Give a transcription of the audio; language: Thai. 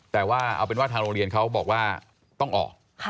แต่ว่าเอาเป็นว่าทางโรงเรียนเขาบอกว่าต้องออก